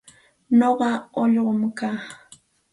Nuqa ullqum kaa.